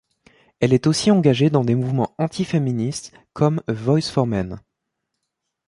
Elle est aussi engagée dans des mouvements anti-féministes comme A Voice For Men.